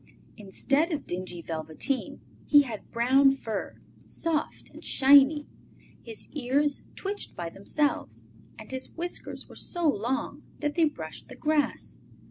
Instead of dingy velveteen he had brown fur, soft and shiny, his ears twitched by themselves, and his whiskers were so long that they brushed the grass.